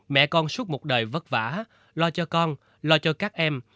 mẹ con suốt một đời vất vả lo cho con lo cho các em